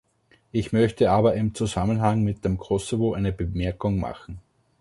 Ich möchte aber im Zusammenhang mit dem Kosovo eine Bemerkung machen.